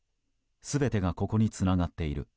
全てがここにつながっている。